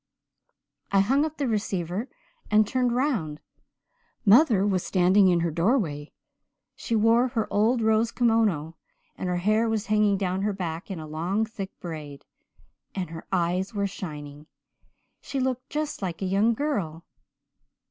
I hung up the receiver and turned round. Mother was standing in her doorway. She wore her old rose kimono, and her hair was hanging down her back in a long thick braid, and her eyes were shining. She looked just like a young girl.